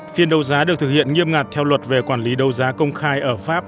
phiên đấu giá được thực hiện nghiêm ngặt theo luật về quản lý đấu giá công khai ở pháp